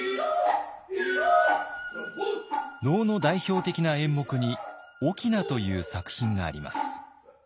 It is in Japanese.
能の代表的な演目に「翁」という作品があります。